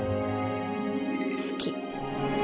好き。